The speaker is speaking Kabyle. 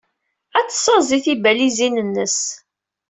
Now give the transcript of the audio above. Ad tessaẓey tibalizin-nnes.